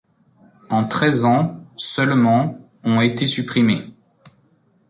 En treize ans, seulement ont été supprimés.